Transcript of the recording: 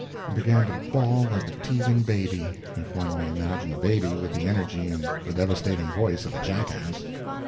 and began to bawl like a teething baby, if one may imagine a baby with the energy and the devastating voice of a jackass.